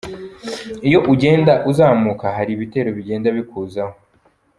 Iyo ugenda uzamuka hari ibitero bigenda bikuzaho”.